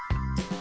あ！